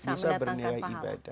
bisa bernilai ibadah